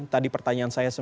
tadi pertanyaan saya